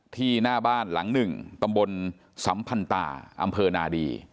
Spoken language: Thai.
หน้าบ้านหลังหนึ่งตำบลสัมพันตาอำเภอนาดี